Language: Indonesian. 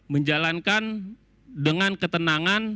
menjalankan dengan ketenangan